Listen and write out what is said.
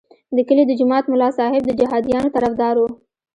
د کلي د جومات ملا صاحب د جهادیانو طرفدار وو.